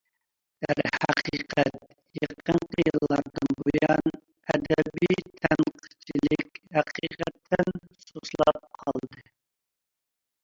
دەرھەقىقەت، يېقىنقى يىللاردىن بۇيان، ئەدەبىي تەنقىدچىلىك ھەقىقەتەن سۇسلاپ قالدى.